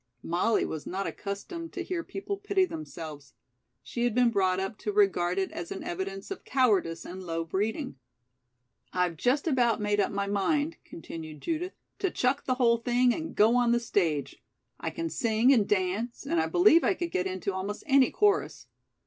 Molly was not accustomed to hear people pity themselves. She had been brought up to regard it as an evidence of cowardice and low breeding. "I've just about made up my mind," continued Judith, "to chuck the whole thing and go on the stage. I can sing and dance, and I believe I could get into almost any chorus.